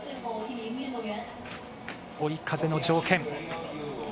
追い風の条件。